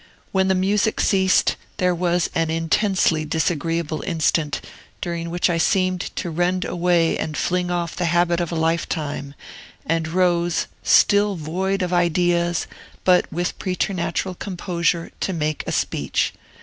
When the music ceased, there was an intensely disagreeable instant, during which I seemed to rend away and fling off the habit of a lifetime, and rose, still void of ideas, but with preternatural composure, to make a speech.